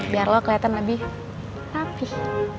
biar lo kelihatan lebih rapih